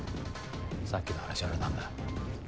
さっきの話はなんだ？